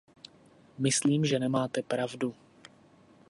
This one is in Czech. Myslím, že nemáte pravdu.